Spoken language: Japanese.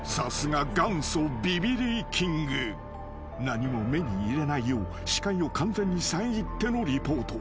［何も目に入れないよう視界を完全に遮ってのリポート］